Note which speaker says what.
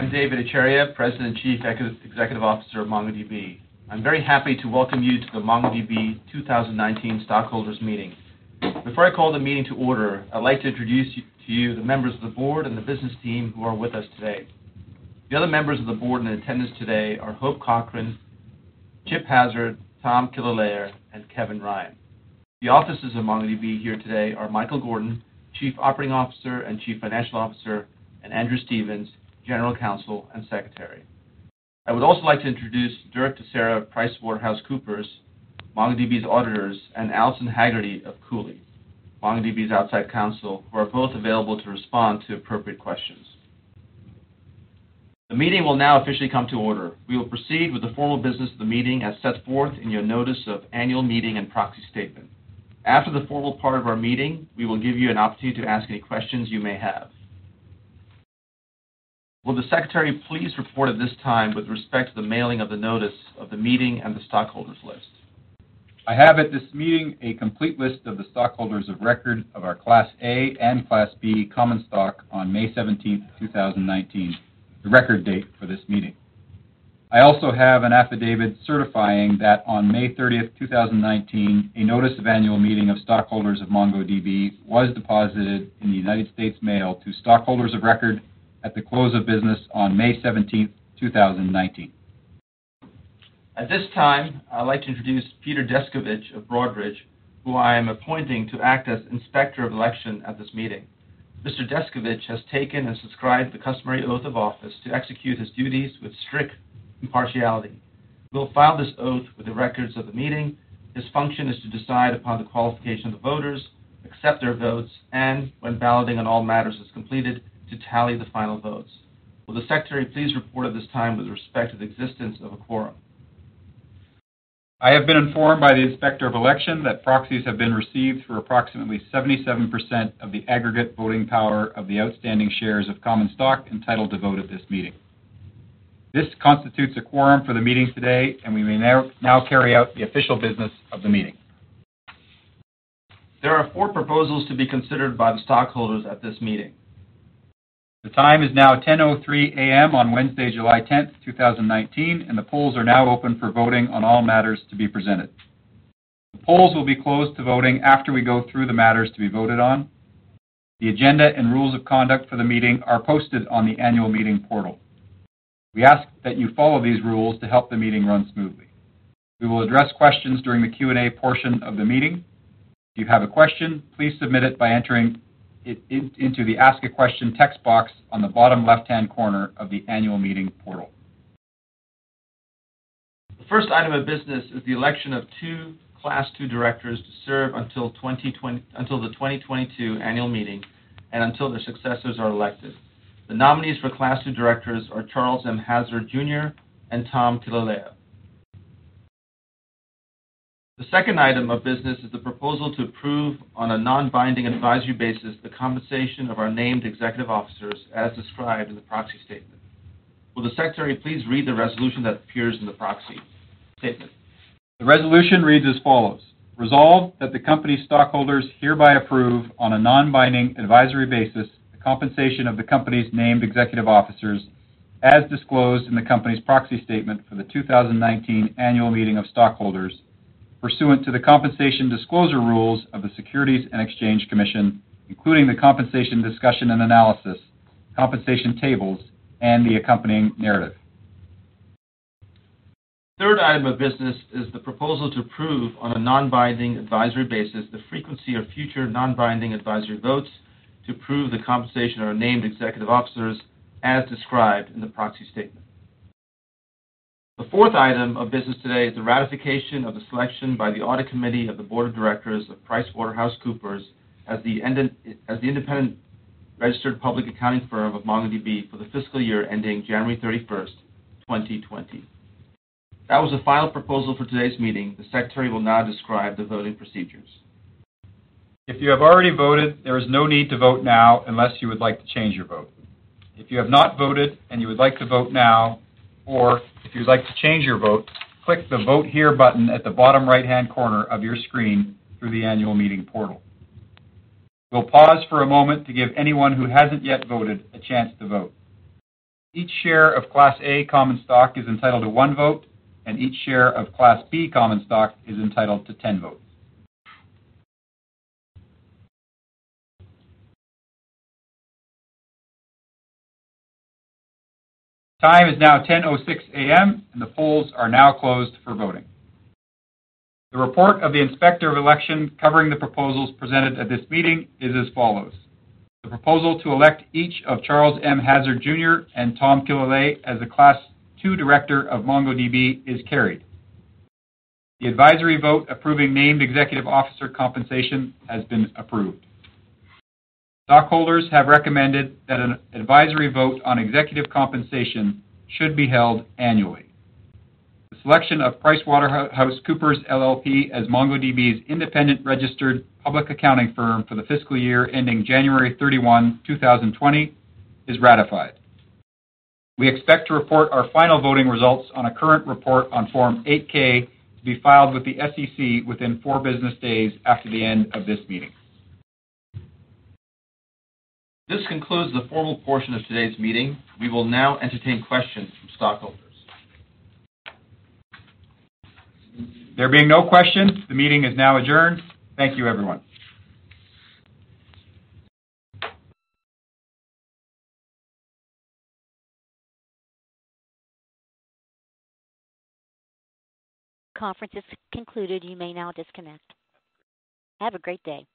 Speaker 1: I'm Dev Ittycheria, President and Chief Executive Officer of MongoDB. I'm very happy to welcome you to the MongoDB 2019 Stockholders Meeting. Before I call the meeting to order, I'd like to introduce to you the members of the Board and the business team who are with us today. The other members of the Board in attendance today are Hope Cochran, Chip Hazard, Tom Killalea, and Kevin Ryan. The officers of MongoDB here today are Michael Gordon, Chief Operating Officer and Chief Financial Officer, and Andrew Stephens, General Counsel and Secretary. I would also like to introduce Derek DeCarolis of PricewaterhouseCoopers, MongoDB's auditors, and Alison Haggerty of Cooley, MongoDB's outside counsel, who are both available to respond to appropriate questions. The meeting will now officially come to order. We will proceed with the formal business of the meeting as set forth in your notice of annual meeting and proxy statement. After the formal part of our meeting, we will give you an opportunity to ask any questions you may have. Will the Secretary please report at this time with respect to the mailing of the notice of the meeting and the stockholders list?
Speaker 2: I have at this meeting a complete list of the stockholders of record of our Class A and Class B common stock on May 17th, 2019, the record date for this meeting. I also have an affidavit certifying that on May 30th, 2019, a notice of annual meeting of stockholders of MongoDB was deposited in the United States Mail to stockholders of record at the close of business on May 17th, 2019.
Speaker 1: At this time, I'd like to introduce Peter Descovich of Broadridge, who I am appointing to act as Inspector of Election at this meeting. Mr. Descovich has taken and subscribed the customary oath of office to execute his duties with strict impartiality. We'll file this oath with the records of the meeting. His function is to decide upon the qualification of the voters, accept their votes, and when balloting on all matters is completed, to tally the final votes. Will the Secretary please report at this time with respect to the existence of a quorum?
Speaker 2: I have been informed by the Inspector of Election that proxies have been received for approximately 77% of the aggregate voting power of the outstanding shares of common stock entitled to vote at this meeting. This constitutes a quorum for the meeting today, we may now carry out the official business of the meeting.
Speaker 1: There are four proposals to be considered by the stockholders at this meeting.
Speaker 2: The time is now 10:03 A.M. on Wednesday, July 10th, 2019, the polls are now open for voting on all matters to be presented. The polls will be closed to voting after we go through the matters to be voted on. The agenda and rules of conduct for the meeting are posted on the annual meeting portal. We ask that you follow these rules to help the meeting run smoothly. We will address questions during the Q&A portion of the meeting. If you have a question, please submit it by entering it into the Ask a Question text box on the bottom left-hand corner of the annual meeting portal.
Speaker 1: The first item of business is the election of two class 2 directors to serve until the 2022 annual meeting and until their successors are elected. The nominees for class 2 directors are Charles M. Hazard, Jr. and Tom Killalea. The second item of business is the proposal to approve on a non-binding advisory basis the compensation of our named executive officers as described in the proxy statement. Will the secretary please read the resolution that appears in the proxy statement?
Speaker 2: The resolution reads as follows. Resolved that the company stockholders hereby approve on a non-binding advisory basis the compensation of the company's named executive officers as disclosed in the company's proxy statement for the 2019 annual meeting of stockholders pursuant to the compensation disclosure rules of the Securities and Exchange Commission, including the compensation discussion and analysis, compensation tables, and the accompanying narrative.
Speaker 1: The third item of business is the proposal to approve on a non-binding advisory basis the frequency of future non-binding advisory votes to approve the compensation of our named executive officers as described in the proxy statement. The fourth item of business today is the ratification of the selection by the Audit Committee of the Board of Directors of PricewaterhouseCoopers as the independent registered public accounting firm of MongoDB for the fiscal year ending January 31, 2020. That was the final proposal for today's meeting. The secretary will now describe the voting procedures.
Speaker 2: If you have already voted, there is no need to vote now unless you would like to change your vote. If you have not voted and you would like to vote now, or if you'd like to change your vote, click the Vote Here button at the bottom right-hand corner of your screen through the annual meeting portal. We'll pause for a moment to give anyone who hasn't yet voted a chance to vote. Each share of Class A common stock is entitled to one vote, and each share of Class B common stock is entitled to 10 votes. The time is now 10:06 A.M., and the polls are now closed for voting. The report of the Inspector of Election covering the proposals presented at this meeting is as follows. The proposal to elect each of Charles M. Hazard, Jr. and Tom Killalea as a class 2 director of MongoDB is carried. The advisory vote approving named executive officer compensation has been approved. Stockholders have recommended that an advisory vote on executive compensation should be held annually. The selection of PricewaterhouseCoopers LLP as MongoDB's independent registered public accounting firm for the fiscal year ending January 31, 2020 is ratified. We expect to report our final voting results on a current report on Form 8-K to be filed with the SEC within four business days after the end of this meeting.
Speaker 1: This concludes the formal portion of today's meeting. We will now entertain questions from stockholders.
Speaker 2: There being no questions, the meeting is now adjourned. Thank you, everyone.
Speaker 3: Conference is concluded. You may now disconnect. Have a great day.